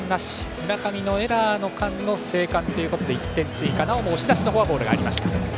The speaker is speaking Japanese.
村上のエラーの間の生還で１点追加で、なおも押し出しのフォアボールがありました。